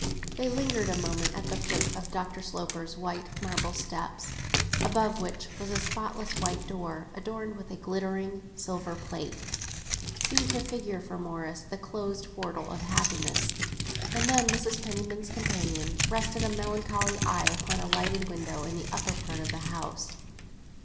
They lingered a moment at the foot of Dr. Sloper's white marble steps, above which a spotless white door, adorned with a glittering silver plate, seemed to figure, for Morris, the closed portal of happiness; and then Mrs. Penniman's companion rested a melancholy eye upon a lighted window in the upper part of the house.